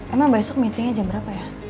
emang besok meetingnya jam berapa ya